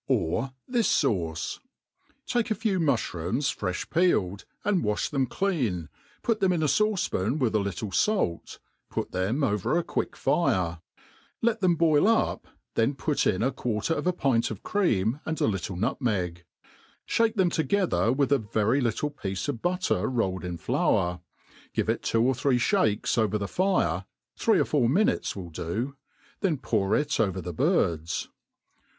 Or this fauce: take a few mufhrooms, frefli peeled, dnd Wafli them clean^ put them in a fauce^paa with a little f4lt, put 9« THE ART OF COOKERY put them over a quick fire, let them boil up, then put in i quarter of a pint of cfeam and a little nutmeg; (hake them to gether with a very little piece of butter rolled in flour, give it two or three fhakes over the fire, three or four minutes will do ; then pour it over the birds.